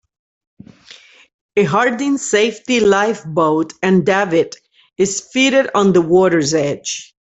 A Harding safety lifeboat and davit is fitted on the water's edge.